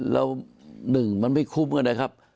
แล้วหนึ่งมันไม่คุ้มกันนะครับ